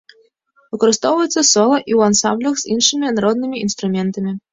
Выкарыстоўваецца сола і ў ансамблях з іншымі народнымі інструментамі.